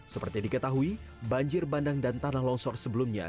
seperti diketahui banjir bandang dan tanah longsor sebelumnya